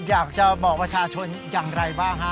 อยากจะบอกประชาชนอย่างไรบ้างฮะ